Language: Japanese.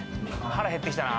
腹へってきたな